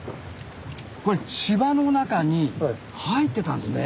これ柴の中に入ってたんですね。